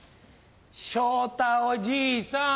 昇太おじいさん